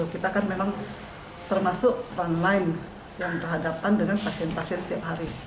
kita kan memang termasuk front line yang terhadapkan dengan pasien pasien setiap hari